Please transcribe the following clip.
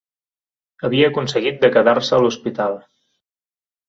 Havia aconseguit de quedar-se a l'hospital